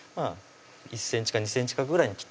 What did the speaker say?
１ｃｍか２ｃｍ角ぐらいに切ってます